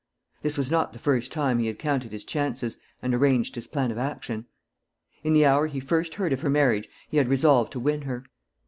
This was not the first time he had counted his chances and arranged his plan of action. In the hour he first heard of her marriage he had resolved to win her.